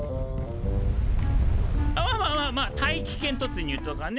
まあまあまあまあ大気圏突入とかね